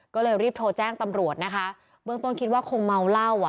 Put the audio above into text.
ก็เลยรีบโทรแจ้งตำรวจนะคะเบื้องต้นคิดว่าคงเมาเหล้าอ่ะ